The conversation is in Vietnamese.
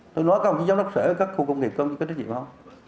tôi nói không chứ giáo đốc sở ở các khu công nghiệp có trách nhiệm không